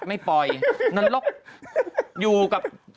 ไอ้บ้า